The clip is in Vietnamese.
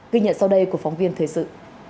ghi nhận sau đây của phóng viên thời sự